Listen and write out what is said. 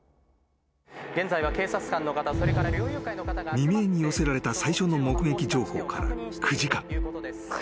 ［未明に寄せられた最初の目撃情報から９時間］